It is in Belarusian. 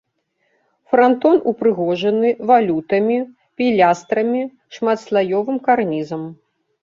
Франтон упрыгожаны валютамі, пілястрамі, шматслаёвым карнізам.